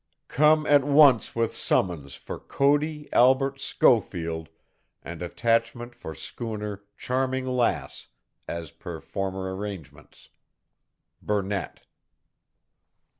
"Come at once with summons for Cody Albert Schofield and attachment for schooner Charming Lass, as per former arrangements. "BURNETT."